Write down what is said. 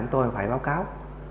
chúng tôi phải báo cáo